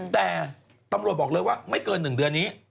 แต่ตำรวจบอกเลยว่าไม่เกิน๑เดือนนี้